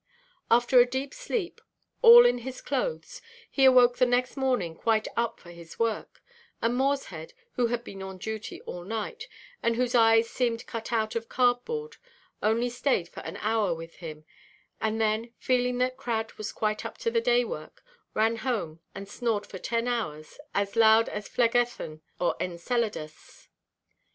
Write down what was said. After a deep sleep, all in his clothes, he awoke the next morning quite up for his work, and Morshead, who had been on duty all night, and whose eyes seemed cut out of card–board, only stayed for an hour with him, and then, feeling that Crad was quite up to the day–work, ran home and snored for ten hours, as loud as Phlegethon or Enceladus.